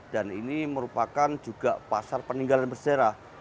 dan ini merupakan juga pasar peninggalan berserah